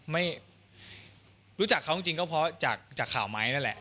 ไม่รู้จักเขาจริงก็เพราะจากข่าวไม้นั่นแหละ